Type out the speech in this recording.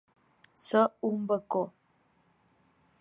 Ser un bacó.